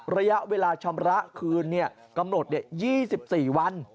ระยะเวลาชำระคืนกำหนด๒๔วัน